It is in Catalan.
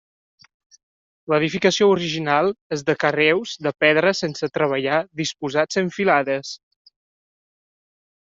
L'edificació original és de carreus de pedra sense treballar disposats en filades.